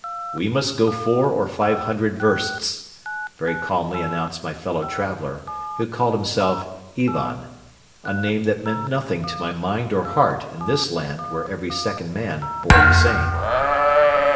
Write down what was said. "We must go four or five hundred versts," very calmly announced my fellow traveler, who called himself "Ivan," a name that meant nothing to my mind or heart in this land where every second man bore the same.